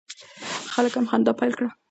خلک هم خندا پیل کړه.